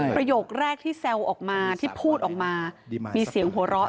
ประโยคแรกที่แซวออกมาที่พูดออกมามีเสียงหัวเราะ